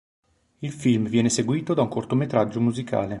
Il film viene seguito da un cortometraggio musicale.